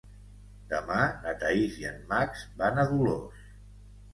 Demà na Thaís i en Max van a Dolors.